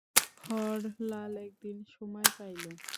হরলাল একদিন সময় পাইল ।